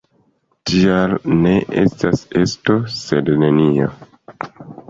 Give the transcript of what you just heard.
Tial ne estas esto sed nenio.